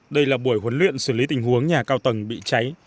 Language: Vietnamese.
đây là buổi huấn luyện xử lý tình huống nhà cao tầng bị cháy